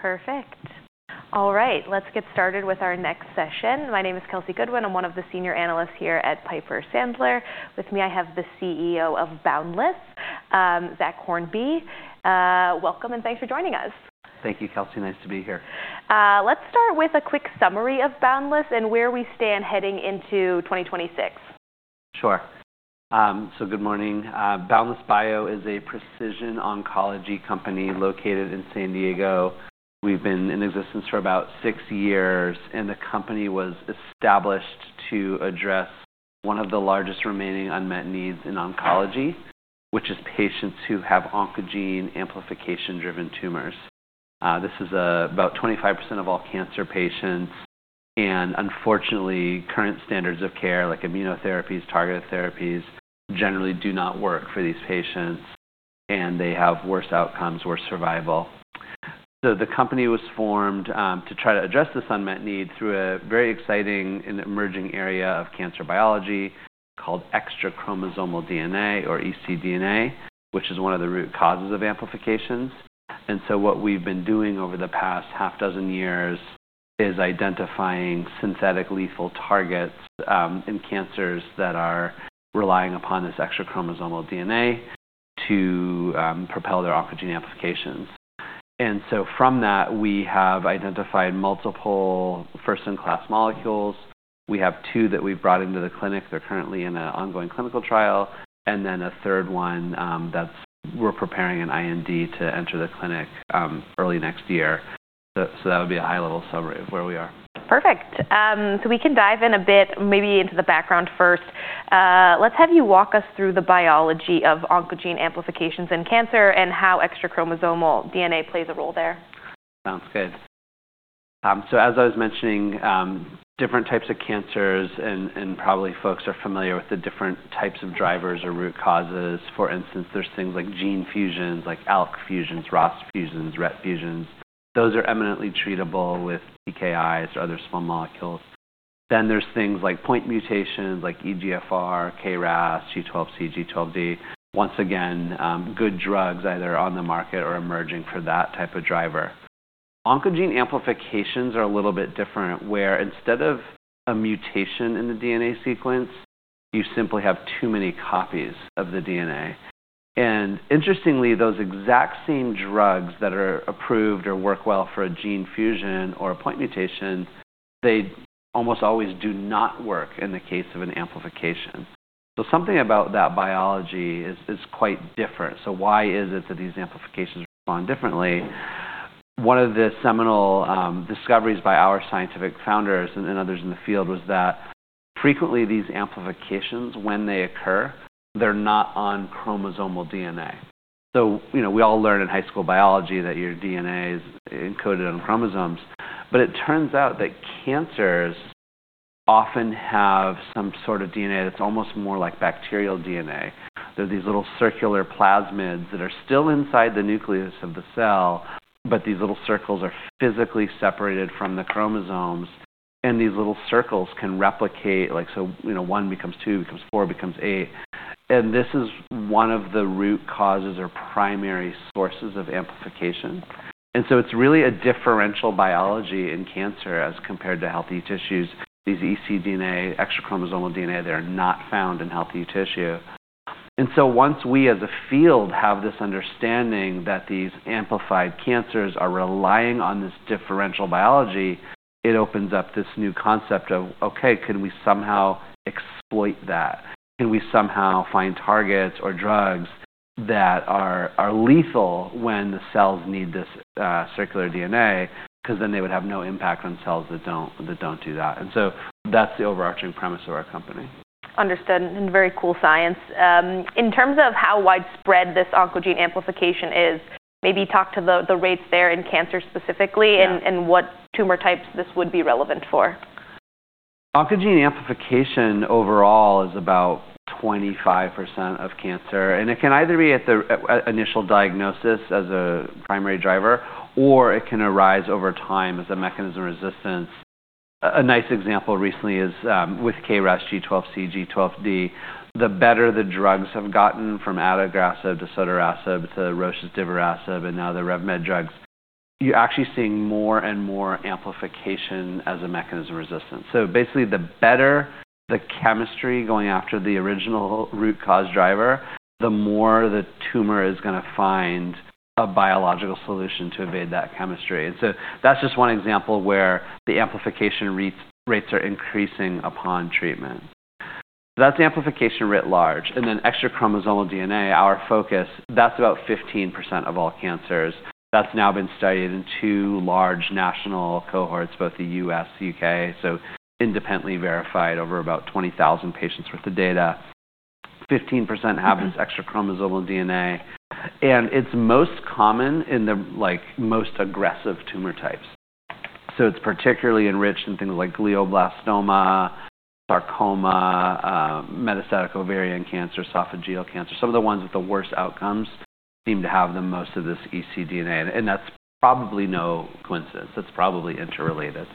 Perfect. All right, let's get started with our next session. My name is Kelsey Goodwin. I'm one of the senior analysts here at Piper Sandler. With me I have the CEO of Boundless, Zach Hornby. Welcome and thanks for joining us. Thank you, Kelsey. Nice to be here. Let's start with a quick summary of Boundless and where we stand heading into 2026. Sure. So good morning. Boundless Bio is a precision oncology company located in San Diego. We've been in existence for about six years, and the company was established to address one of the largest remaining unmet needs in oncology, which is patients who have oncogene amplification-driven tumors. This is about 25% of all cancer patients. And unfortunately, current standards of care, like immunotherapies, targeted therapies, generally do not work for these patients, and they have worse outcomes, worse survival. So the company was formed to try to address this unmet need through a very exciting and emerging area of cancer biology called extrachromosomal DNA, or ecDNA, which is one of the root causes of amplifications. And so what we've been doing over the past half dozen years is identifying synthetic lethal targets in cancers that are relying upon this extrachromosomal DNA to propel their oncogene amplifications. From that, we have identified multiple first-in-class molecules. We have two that we've brought into the clinic. They're currently in an ongoing clinical trial. Then a third one that we're preparing an IND to enter the clinic early next year. That would be a high-level summary of where we are. Perfect. So we can dive in a bit, maybe into the background first. Let's have you walk us through the biology of oncogene amplifications in cancer and how extrachromosomal DNA plays a role there. Sounds good. So as I was mentioning, different types of cancers, and probably folks are familiar with the different types of drivers or root causes. For instance, there's things like gene fusions, like ALK fusions, ROS fusions, RET fusions. Those are eminently treatable with TKIs or other small molecules. Then there's things like point mutations, like EGFR, KRAS, G12C, G12D. Once again, good drugs either on the market or emerging for that type of driver. Oncogene amplifications are a little bit different, where instead of a mutation in the DNA sequence, you simply have too many copies of the DNA. And interestingly, those exact same drugs that are approved or work well for a gene fusion or a point mutation, they almost always do not work in the case of an amplification. So something about that biology is quite different. So why is it that these amplifications respond differently? One of the seminal discoveries by our scientific founders and others in the field was that frequently these amplifications, when they occur, they're not on chromosomal DNA, so we all learn in high school biology that your DNA is encoded on chromosomes, but it turns out that cancers often have some sort of DNA that's almost more like bacterial DNA. There are these little circular plasmids that are still inside the nucleus of the cell, but these little circles are physically separated from the chromosomes, and these little circles can replicate, like so one becomes two, becomes four, becomes eight, and this is one of the root causes or primary sources of amplification, and so it's really a differential biology in cancer as compared to healthy tissues. These ecDNA, extrachromosomal DNA, they are not found in healthy tissue. And so once we as a field have this understanding that these amplified cancers are relying on this differential biology, it opens up this new concept of, okay, can we somehow exploit that? Can we somehow find targets or drugs that are lethal when the cells need this circular DNA? Because then they would have no impact on cells that don't do that. And so that's the overarching premise of our company. Understood, and very cool science. In terms of how widespread this oncogene amplification is, maybe talk to the rates there in cancer specifically and what tumor types this would be relevant for? Oncogene amplification overall is about 25% of cancer, and it can either be at the initial diagnosis as a primary driver, or it can arise over time as a mechanism of resistance. A nice example recently is with KRAS, G12C, G12D. The better the drugs have gotten from adagrasib to sotorasib to Roche's divorasib and now the Revmed drugs, you're actually seeing more and more amplification as a mechanism of resistance, so basically, the better the chemistry going after the original root cause driver, the more the tumor is going to find a biological solution to evade that chemistry, and so that's just one example where the amplification rates are increasing upon treatment, so that's amplification writ large, and then extrachromosomal DNA, our focus, that's about 15% of all cancers. That's now been studied in two large national cohorts, both the U.S. and the U.K. So independently verified over about 20,000 patients with the data. 15% have this extrachromosomal DNA. And it's most common in the most aggressive tumor types. So it's particularly enriched in things like glioblastoma, sarcoma, metastatic ovarian cancer, esophageal cancer. Some of the ones with the worst outcomes seem to have the most of this ecDNA. And that's probably no coincidence. That's probably interrelated.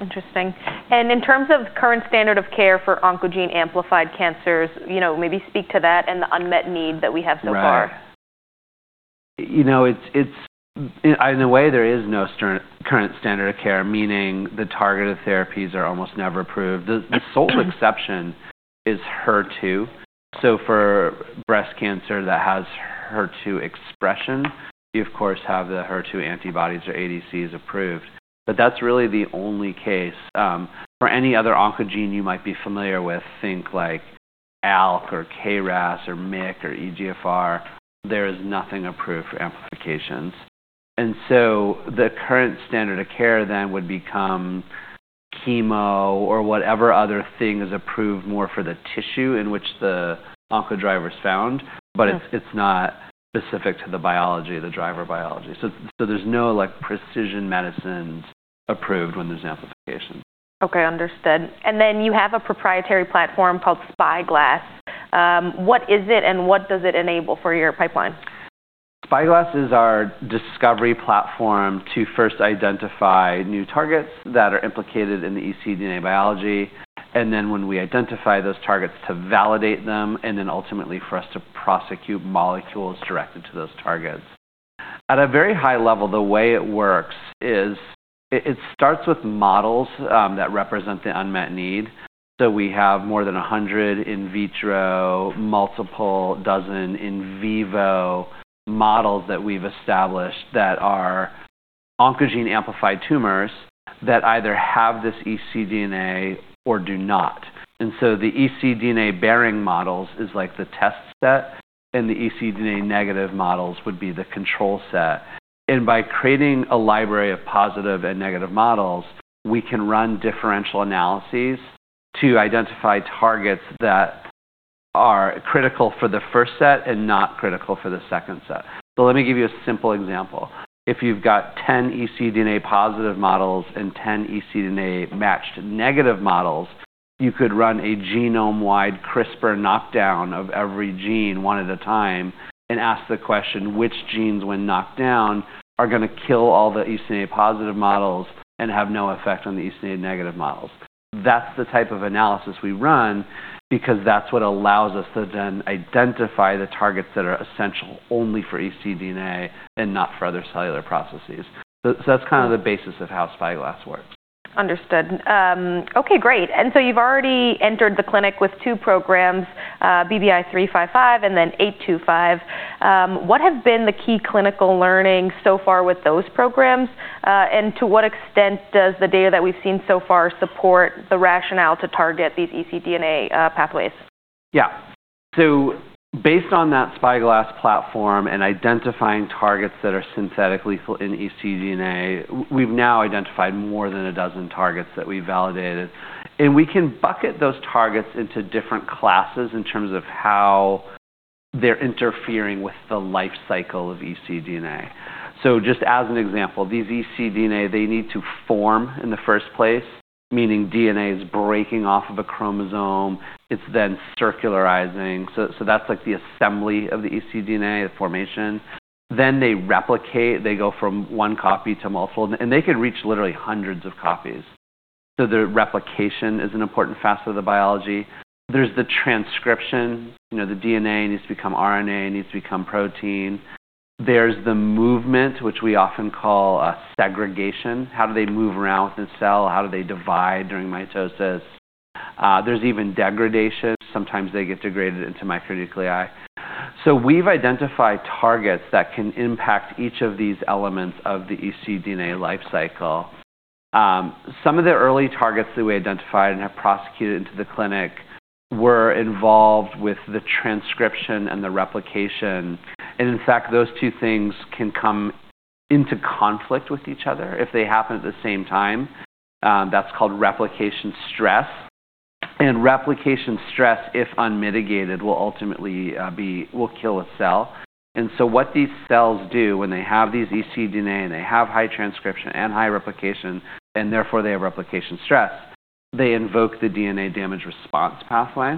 Interesting. And in terms of current standard of care for oncogene amplified cancers, maybe speak to that and the unmet need that we have so far. Right. In a way, there is no current standard of care, meaning the targeted therapies are almost never approved. The sole exception is HER2, so for breast cancer that has HER2 expression, you, of course, have the HER2 antibodies or ADCs approved, but that's really the only case. For any other oncogene you might be familiar with, think like ALK or KRAS or MYC or EGFR, there is nothing approved for amplifications, and so the current standard of care then would become chemo or whatever other thing is approved more for the tissue in which the oncodriver is found, but it's not specific to the biology, the driver biology, so there's no precision medicines approved when there's amplification. Okay, understood. And then you have a proprietary platform called Spyglass. What is it and what does it enable for your pipeline? Spyglass is our discovery platform to first identify new targets that are implicated in the ecDNA biology and then when we identify those targets to validate them and then ultimately for us to prosecute molecules directed to those targets. At a very high level, the way it works is it starts with models that represent the unmet need, so we have more than 100 in vitro, multiple dozen in vivo models that we've established that are oncogene amplified tumors that either have this ecDNA or do not, and so the ecDNA bearing models is like the test set, and the ecDNA negative models would be the control set, and by creating a library of positive and negative models, we can run differential analyses to identify targets that are critical for the first set and not critical for the second set, so let me give you a simple example. If you've got 10 ecDNA positive models and 10 ecDNA matched negative models, you could run a genome-wide CRISPR knockdown of every gene one at a time and ask the question, which genes when knocked down are going to kill all the ecDNA positive models and have no effect on the ecDNA negative models? That's the type of analysis we run because that's what allows us to then identify the targets that are essential only for ecDNA and not for other cellular processes. So that's kind of the basis of how Spyglass works. Understood. Okay, great. And so you've already entered the clinic with two programs, BBI-355 and then BBI-825. What have been the key clinical learnings so far with those programs? And to what extent does the data that we've seen so far support the rationale to target these ecDNA pathways? Yeah. So based on that Spyglass platform and identifying targets that are synthetically lethal in ecDNA, we've now identified more than a dozen targets that we validated, and we can bucket those targets into different classes in terms of how they're interfering with the life cycle of ecDNA, so just as an example, these ecDNA, they need to form in the first place, meaning DNA is breaking off of a chromosome, it's then circularizing, so that's like the assembly of the ecDNA, the formation, then they replicate. They go from one copy to multiple, and they could reach literally hundreds of copies, so the replication is an important facet of the biology. There's the transcription. The DNA needs to become RNA. It needs to become protein. There's the movement, which we often call segregation. How do they move around within the cell? How do they divide during mitosis? There's even degradation. Sometimes they get degraded into micronuclei, so we've identified targets that can impact each of these elements of the ecDNA life cycle. Some of the early targets that we identified and have prosecuted into the clinic were involved with the transcription and the replication, and in fact, those two things can come into conflict with each other if they happen at the same time. That's called replication stress, and replication stress, if unmitigated, will ultimately kill a cell, and so what these cells do when they have these ecDNA and they have high transcription and high replication, and therefore they have replication stress, they invoke the DNA damage response pathway,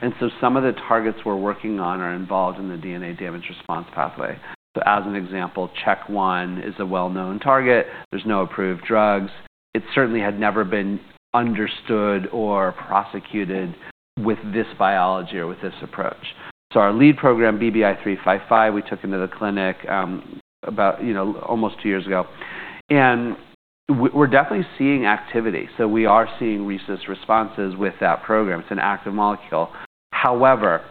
and so some of the targets we're working on are involved in the DNA damage response pathway, so as an example, Chk1 is a well-known target. There's no approved drugs. It certainly had never been understood or prosecuted with this biology or with this approach. So our lead program, BBI-355, we took into the clinic almost two years ago. And we're definitely seeing activity. So we are seeing RECIST responses with that program. It's an active molecule. However,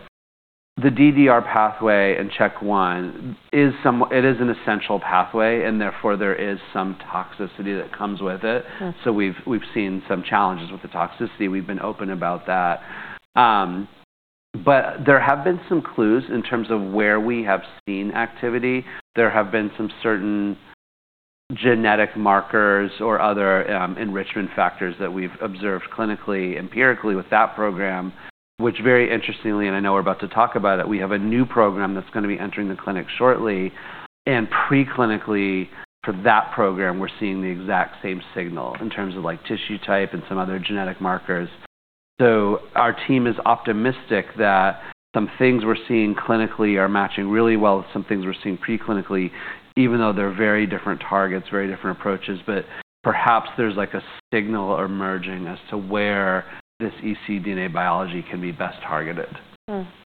the DDR pathway and Chk1, it is an essential pathway, and therefore there is some toxicity that comes with it. So we've seen some challenges with the toxicity. We've been open about that. But there have been some clues in terms of where we have seen activity. There have been some certain genetic markers or other enrichment factors that we've observed clinically, empirically with that program, which very interestingly, and I know we're about to talk about it, we have a new program that's going to be entering the clinic shortly. And preclinically for that program, we're seeing the exact same signal in terms of tissue type and some other genetic markers. So our team is optimistic that some things we're seeing clinically are matching really well with some things we're seeing preclinically, even though they're very different targets, very different approaches. But perhaps there's a signal emerging as to where this ecDNA biology can be best targeted.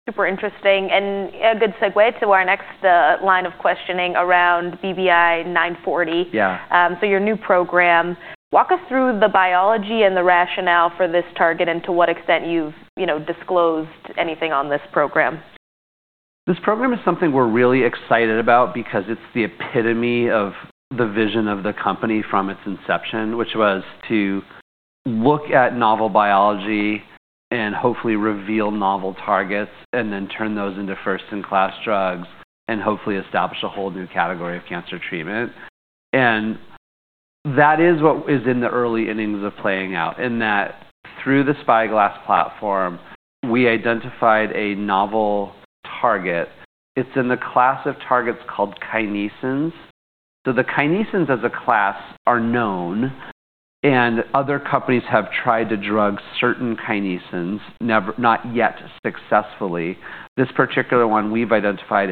Super interesting. And a good segue to our next line of questioning around BBI-940. So your new program, walk us through the biology and the rationale for this target and to what extent you've disclosed anything on this program? This program is something we're really excited about because it's the epitome of the vision of the company from its inception, which was to look at novel biology and hopefully reveal novel targets and then turn those into first-in-class drugs and hopefully establish a whole new category of cancer treatment and that is what is in the early innings of playing out in that through the Spyglass platform, we identified a novel target. It's in the class of targets called kinesins, so the kinesins as a class are known, and other companies have tried to drug certain kinesins, not yet successfully. This particular one we've identified,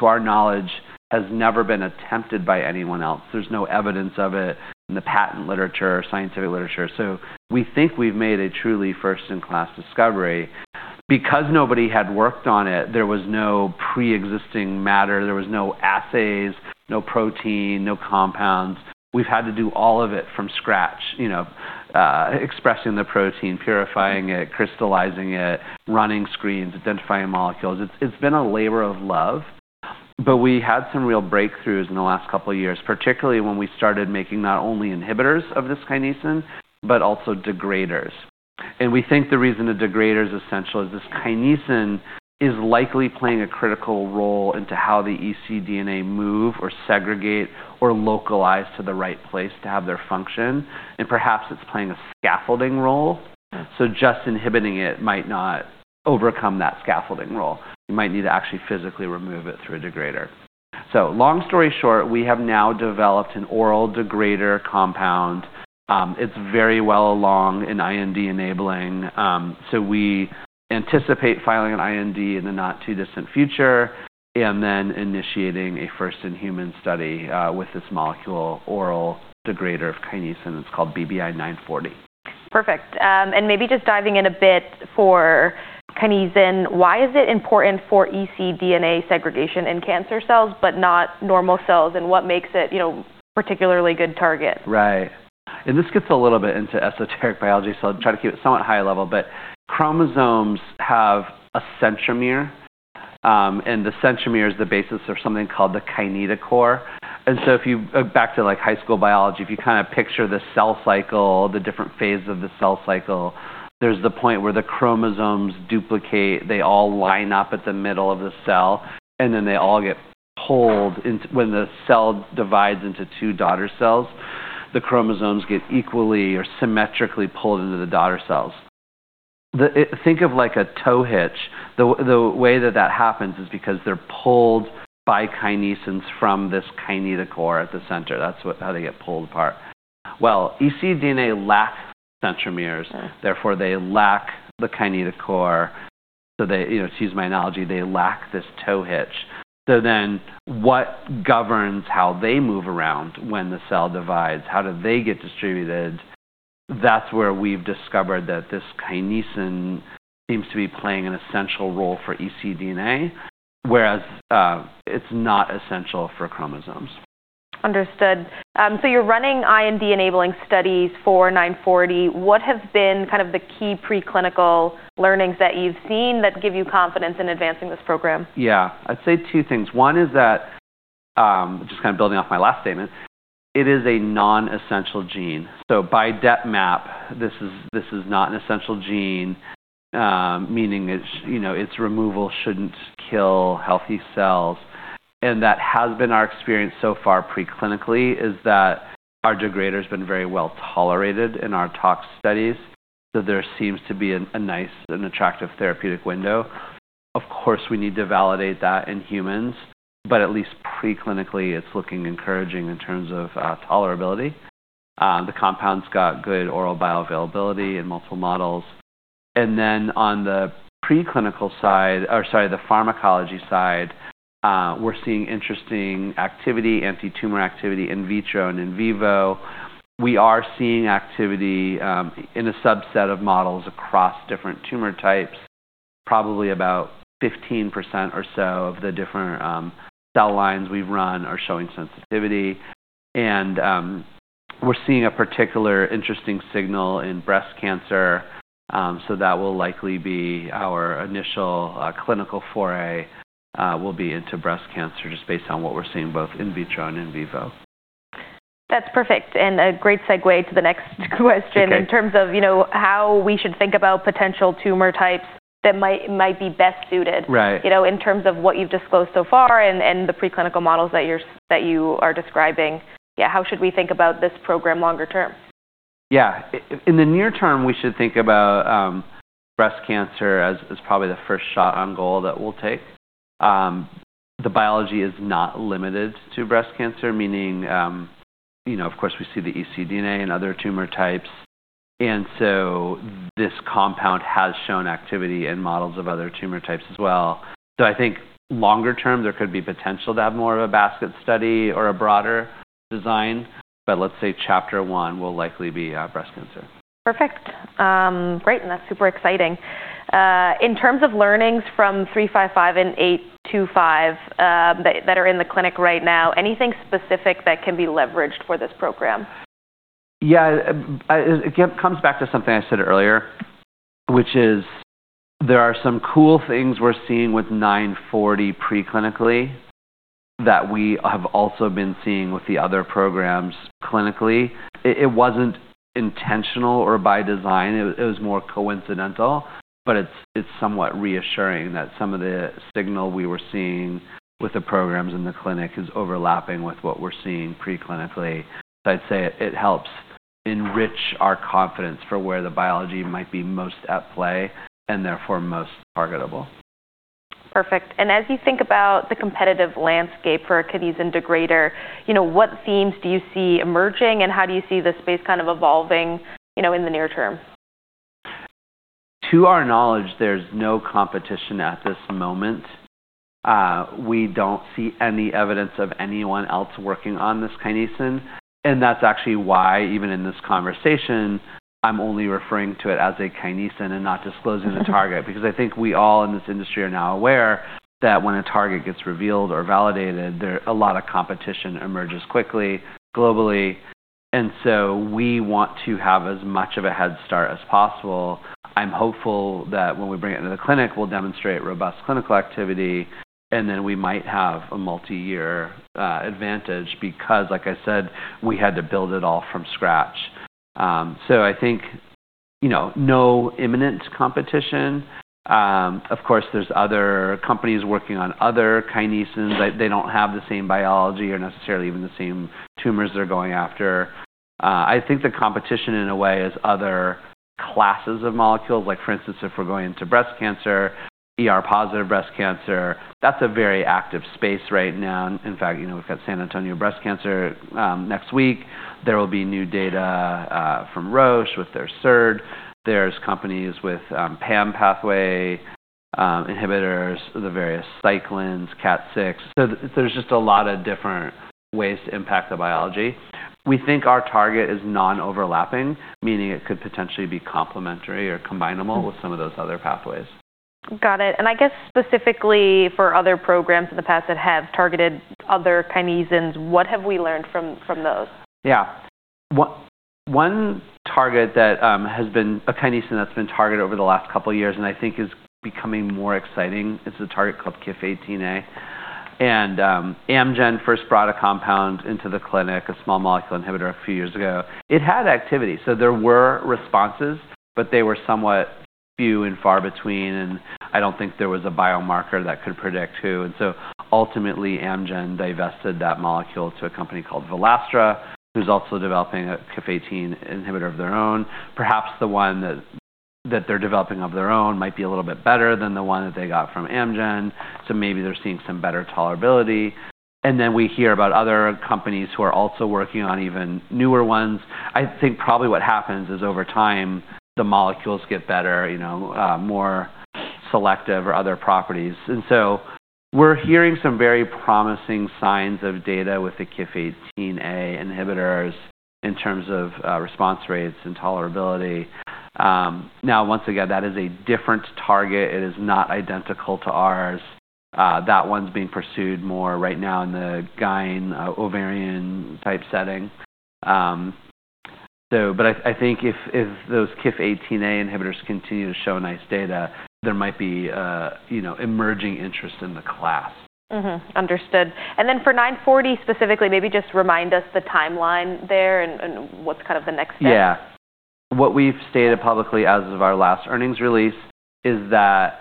to our knowledge, has never been attempted by anyone else. There's no evidence of it in the patent literature or scientific literature, so we think we've made a truly first-in-class discovery. Because nobody had worked on it, there was no pre-existing matter. There were no assays, no protein, no compounds. We've had to do all of it from scratch, expressing the protein, purifying it, crystallizing it, running screens, identifying molecules. It's been a labor of love, but we had some real breakthroughs in the last couple of years, particularly when we started making not only inhibitors of this kinesin, but also degraders. And we think the reason the degraders are essential is this kinesin is likely playing a critical role into how the ecDNA move or segregate or localize to the right place to have their function. And perhaps it's playing a scaffolding role. So just inhibiting it might not overcome that scaffolding role. You might need to actually physically remove it through a degrader. So long story short, we have now developed an oral degrader compound. It's very well along in IND enabling. We anticipate filing an IND in the not-too-distant future and then initiating a first-in-human study with this molecule oral degrader of kinesin. It's called BBI-940. Perfect. And maybe just diving in a bit for kinesin, why is it important for ecDNA segregation in cancer cells, but not normal cells? And what makes it a particularly good target? Right. And this gets a little bit into esoteric biology, so I'll try to keep it somewhat high level, but chromosomes have a centromere, and the centromere is the basis of something called the kinetochore. And so if you go back to high school biology, if you kind of picture the cell cycle, the different phases of the cell cycle, there's the point where the chromosomes duplicate. They all line up at the middle of the cell, and then they all get pulled when the cell divides into two daughter cells. The chromosomes get equally or symmetrically pulled into the daughter cells. Think of like a tow hitch. The way that that happens is because they're pulled by kinesins from this kinetochore at the center. That's how they get pulled apart. Well, ecDNA lacks centromeres. Therefore, they lack the kinetochore. So to use my analogy, they lack this tow hitch. So then what governs how they move around when the cell divides? How do they get distributed? That's where we've discovered that this kinesin seems to be playing an essential role for ecDNA, whereas it's not essential for chromosomes. Understood. So you're running IND enabling studies for 940. What have been kind of the key preclinical learnings that you've seen that give you confidence in advancing this program? Yeah. I'd say two things. One is that, just kind of building off my last statement, it is a non-essential gene. So by DepMap, this is not an essential gene, meaning its removal shouldn't kill healthy cells. And that has been our experience so far preclinically is that our degrader has been very well tolerated in our tox studies. So there seems to be a nice and attractive therapeutic window. Of course, we need to validate that in humans, but at least preclinically, it's looking encouraging in terms of tolerability. The compound's got good oral bioavailability in multiple models. And then on the preclinical side or sorry, the pharmacology side, we're seeing interesting activity, anti-tumor activity in vitro and in vivo. We are seeing activity in a subset of models across different tumor types. Probably about 15% or so of the different cell lines we've run are showing sensitivity. And we're seeing a particular interesting signal in breast cancer. So that will likely be our initial clinical foray will be into breast cancer just based on what we're seeing both in vitro and in vivo. That's perfect. And a great segue to the next question in terms of how we should think about potential tumor types that might be best suited in terms of what you've disclosed so far and the preclinical models that you are describing. Yeah, how should we think about this program longer term? Yeah. In the near term, we should think about breast cancer as probably the first shot on goal that we'll take. The biology is not limited to breast cancer, meaning of course we see the ecDNA and other tumor types. And so this compound has shown activity in models of other tumor types as well. So I think longer term, there could be potential to have more of a basket study or a broader design. But let's say chapter one will likely be breast cancer. Perfect. Great and that's super exciting. In terms of learnings from 355 and 825 that are in the clinic right now, anything specific that can be leveraged for this program? Yeah. It comes back to something I said earlier, which is there are some cool things we're seeing with 940 preclinically that we have also been seeing with the other programs clinically. It wasn't intentional or by design. It was more coincidental, but it's somewhat reassuring that some of the signal we were seeing with the programs in the clinic is overlapping with what we're seeing preclinically. So I'd say it helps enrich our confidence for where the biology might be most at play and therefore most targetable. Perfect. And as you think about the competitive landscape for kinesin degrader, what themes do you see emerging and how do you see the space kind of evolving in the near term? To our knowledge, there's no competition at this moment. We don't see any evidence of anyone else working on this kinesin, and that's actually why, even in this conversation, I'm only referring to it as a kinesin and not disclosing the target. Because I think we all in this industry are now aware that when a target gets revealed or validated, a lot of competition emerges quickly globally, and so we want to have as much of a head start as possible. I'm hopeful that when we bring it into the clinic, we'll demonstrate robust clinical activity, and then we might have a multi-year advantage because, like I said, we had to build it all from scratch, so I think no imminent competition. Of course, there's other companies working on other kinesins. They don't have the same biology or necessarily even the same tumors they're going after. I think the competition in a way is other classes of molecules. For instance, if we're going into breast cancer, positive breast cancer, that's a very active space right now. In fact, we've got San Antonio breast cancer next week. There will be new data from Roche with their SERD. There's companies with PI3K pathway inhibitors, the various CDKs, CDK6. So there's just a lot of different ways to impact the biology. We think our target is non-overlapping, meaning it could potentially be complementary or combinable with some of those other pathways. Got it. And I guess specifically for other programs in the past that have targeted other kinesins, what have we learned from those? Yeah. One target that has been a kinesin that's been targeted over the last couple of years, and I think is becoming more exciting, is a target called KIF18A. And Amgen first brought a compound into the clinic, a small molecule inhibitor, a few years ago. It had activity. So there were responses, but they were somewhat few and far between, and I don't think there was a biomarker that could predict who. And so ultimately, Amgen divested that molecule to a company called Volastra, who's also developing a KIF18A inhibitor of their own. Perhaps the one that they're developing of their own might be a little bit better than the one that they got from Amgen. So maybe they're seeing some better tolerability. And then we hear about other companies who are also working on even newer ones. I think probably what happens is over time, the molecules get better, more selective or other properties. And so we're hearing some very promising signs of data with the KIF18A inhibitors in terms of response rates and tolerability. Now, once again, that is a different target. It is not identical to ours. That one's being pursued more right now in the gynecologic ovarian type setting. But I think if those KIF18A inhibitors continue to show nice data, there might be emerging interest in the class. Understood. And then for 940 specifically, maybe just remind us the timeline there and what's kind of the next step? Yeah. What we've stated publicly as of our last earnings release is that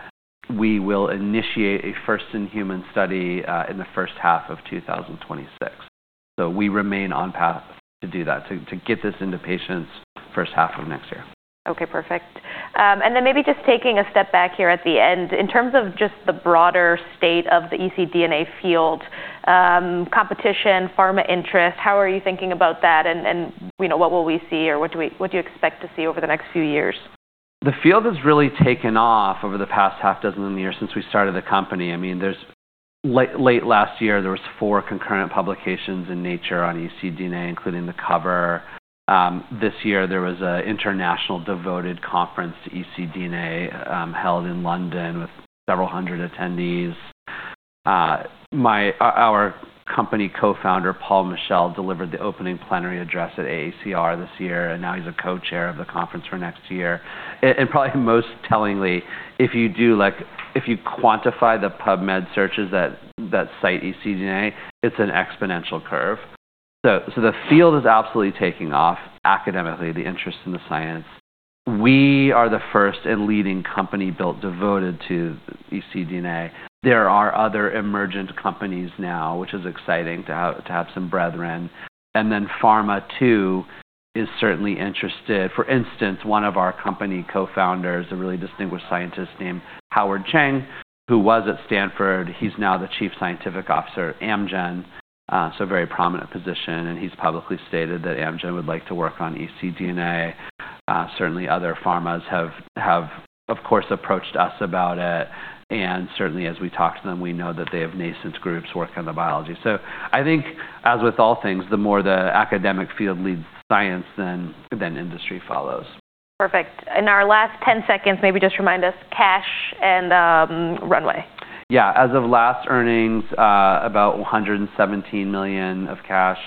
we will initiate a first-in-human study in the first half of 2026. So we remain on path to do that, to get this into patients first half of next year. Okay. Perfect. And then maybe just taking a step back here at the end, in terms of just the broader state of the ecDNA field, competition, pharma interest, how are you thinking about that? And what will we see or what do you expect to see over the next few years? The field has really taken off over the past half dozen years since we started the company. I mean, late last year, there were four concurrent publications in Nature on ecDNA, including the cover. This year, there was an international conference devoted to ecDNA held in London with several hundred attendees. Our company co-founder, Paul Mischel, delivered the opening plenary address at AACR this year, and now he's a co-chair of the conference for next year. Probably most tellingly, if you quantify the PubMed searches that cite ecDNA, it's an exponential curve. The field is absolutely taking off academically, the interest in the science. We are the first and leading company built devoted to ecDNA. There are other emergent companies now, which is exciting to have some brethren. Then Big Pharma is certainly interested. For instance, one of our company co-founders, a really distinguished scientist named Howard Chang, who was at Stanford, he's now the Chief Scientific Officer at Amgen, so a very prominent position. And he's publicly stated that Amgen would like to work on ecDNA. Certainly, other pharmas have, of course, approached us about it. And certainly, as we talk to them, we know that they have nascent groups working on the biology. So I think, as with all things, the more the academic field leads science, then industry follows. Perfect. In our last 10 seconds, maybe just remind us cash and runway. Yeah. As of last earnings, about $117 million of cash,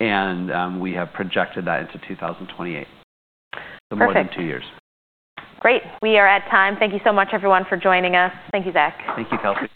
and we have projected that into 2028, so more than two years. Great. We are at time. Thank you so much, everyone, for joining us. Thank you, Zach. Thank you, Kelsey.